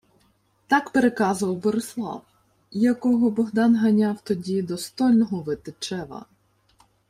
Так переказував Борислав, якого Богдан ганяв тоді до стольного Витичева.